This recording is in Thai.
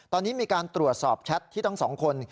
ตอนนี้มีการตรวจสอบแชทที่ทั้งสองคน